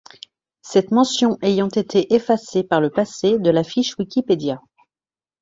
Cette mention ayant été effacée par le passé de la fiche wikipedia.